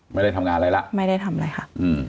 ไม่ได้ทำงานอะไรละไม่ได้ทำอะไรค่ะ